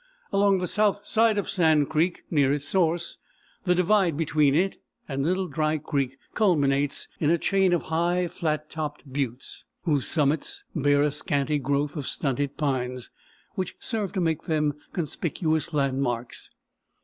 Along the south side of Sand Creek, near its source, the divide between it and Little Dry Creek culminates in a chain of high, flat topped buttes, whose summits bear a scanty growth of stunted pines, which serve to make them conspicuous landmarks.